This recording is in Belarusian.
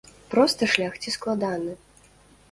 Просты шлях ці складаны?